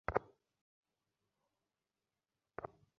তিনি বিভিন্ন নতুন মন্দির নির্মাণ ও মূর্তি নির্মাণ করান।